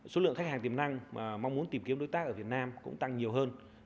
số lượng khách hàng tiềm năng mà mong muốn tìm kiếm đối tác ở việt nam cũng tăng nhiều hơn